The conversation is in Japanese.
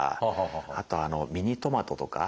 あとミニトマトとかあれも。